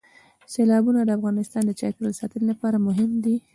سیلابونه د افغانستان د چاپیریال ساتنې لپاره مهم دي.